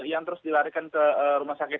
yang terus dilarikan ke rumah sakit